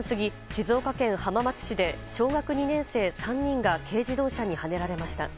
静岡県浜松市で小学２年生３人が軽自動車にはねられました。